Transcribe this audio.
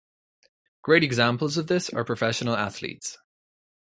Great examples of this are professional athletes.